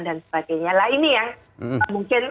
dan sebagainya nah ini yang mungkin